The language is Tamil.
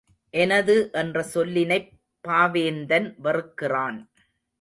எனது என்ற சொல்லினைப் பாவேந்தன் வெறுக்கிறான்.